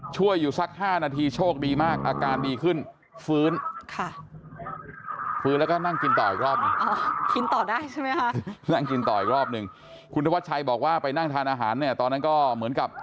ช่วยอยู่สักห้านาทีโชคดีมากอาการดีขึ้นฟื้น